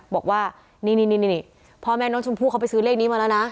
บอกว่านี่พ่อแม่น้องชมพู่เขาไปซื้อเลขนี้มาแล้วนะ